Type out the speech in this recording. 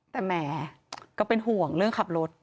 แต่แหมก็เป็นห่วงเรื่องขับรถ